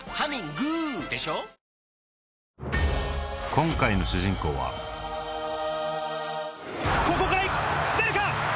今回の主人公はここから出るか？